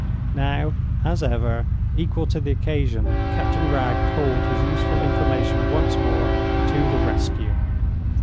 Now, as ever, equal to the occasion, Captain Wragge called his useful information once more to the rescue.